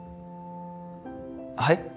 はい？